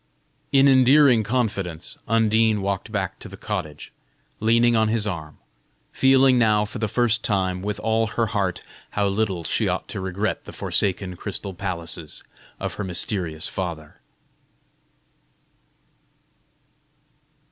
In endearing confidence, Undine walked back to the cottage, leaning on his arm; feeling now for the first time, with all her heart, how little she ought to regret the forsaken crystal palaces of her mysterious father.